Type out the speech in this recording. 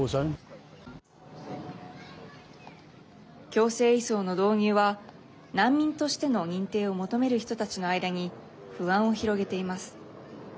強制移送の導入は難民としての認定を求める人たちの間に不安を広げています。